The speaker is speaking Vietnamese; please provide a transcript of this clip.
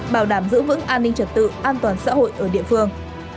bảo đảm giữ vững an ninh trật tự an toàn xã hội ở địa phương